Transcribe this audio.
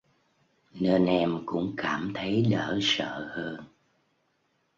nên em cũng cảm thấy đỡ sợ hơn